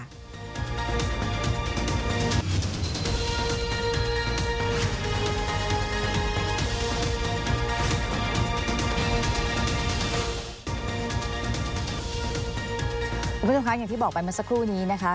คุณผู้ชมคะอย่างที่บอกไปเมื่อสักครู่นี้นะคะ